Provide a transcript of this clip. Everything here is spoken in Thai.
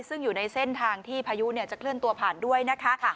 ซึ่งอยู่ในเส้นทางที่พายุจะเคลื่อนตัวผ่านด้วยนะคะ